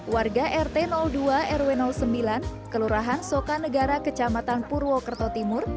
warga rt dua rw sembilan kelurahan soka negara kecamatan purwokerto timur